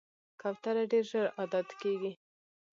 کوتره ډېر ژر عادت کېږي.